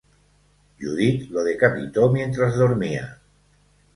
Judith lo decapitó mientras dormía.